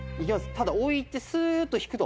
ただ置いてスーッと引くと。